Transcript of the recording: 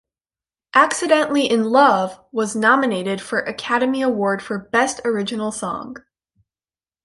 "Accidentally in Love" was nominated for the Academy Award for Best Original Song.